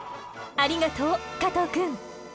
ありがとう加藤くん。